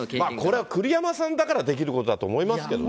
これは栗山さんだからできることだと思いますけどね。